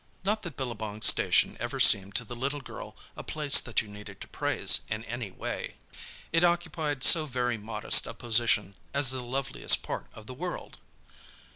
Not that Billabong Station ever seemed to the little girl a place that you needed to praise in any way. It occupied so very modest a position as the loveliest part of the world!